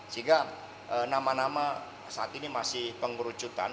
sehingga nama nama saat ini masih pengerucutan